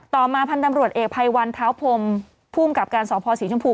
ต่อมาพันธุ์ดำรวจเอกภัยวันเท้าผมภูมิกับการสอบภอสีชมพู